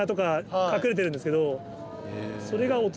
それが。